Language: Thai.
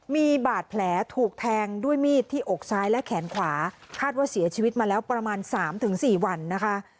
มีบาดแผลถูกแทงด้วยมีดที่อกซ้ายและแขนขวาคาดว่าเสียชีวิตมาแล้วประมาณ๓๔วันนะคะ